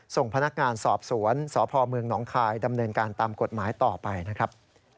ส่งพนักงานสอบสวนสพเมืองหนองคายดำเนินการตามกฎหมายต่อไปนะครับ